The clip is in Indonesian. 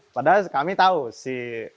padahal kami tahu si